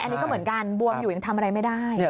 อันนี้ก็เหมือนกันบวมอยู่ยังทำอะไรไม่ได้